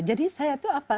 jadi saya itu apa